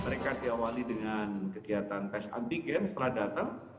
mereka diawali dengan kegiatan tes antigen setelah datang